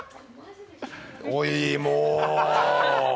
おい、もう！